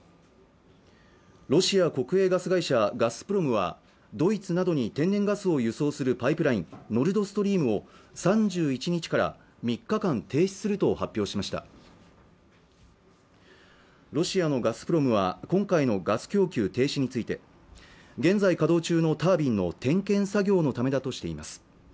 ロシア国営ガス会社ガスプロムはドイツなどに天然ガスを輸送するパイプライン、ノルドストリームを３１日から３日間停止すると発表しましたロシアのガスプロムは今回のガス供給停止について現在稼働中のタービンの点検作業のためだとしています